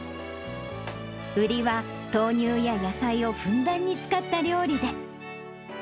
売りは、豆乳や野菜をふんだんに使った料理で。